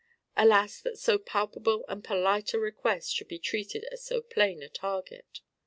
Alas, that so palpable and polite a request should be treated as so plain a target!